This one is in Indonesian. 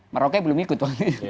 merauke belum ikut wang